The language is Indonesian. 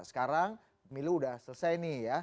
sekarang milu udah selesai nih ya